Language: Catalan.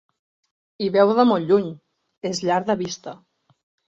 Hi veu de molt lluny: és llarg de vista.